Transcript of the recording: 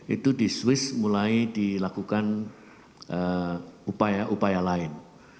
itu di swiss mulai dilakukan upaya upaya lain